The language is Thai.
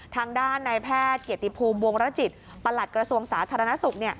ทางด้านนายแพทย์เกียรติภูมิวงรจิตประหลัดกระทรวงสาธารณสุข